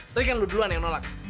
tadi kan lu duluan yang nolak